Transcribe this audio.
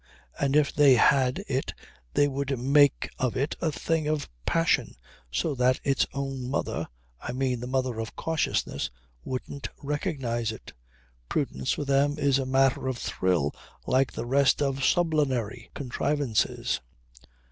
And if they had it they would make of it a thing of passion, so that its own mother I mean the mother of cautiousness wouldn't recognize it. Prudence with them is a matter of thrill like the rest of sublunary contrivances.